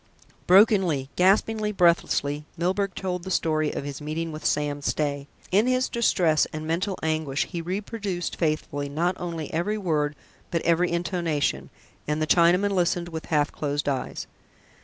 Brokenly, gaspingly, breathlessly, Milburgh told the story of his meeting with Sam Stay. In his distress and mental anguish he reproduced faithfully not only every word, but every intonation, and the Chinaman listened with half closed eyes.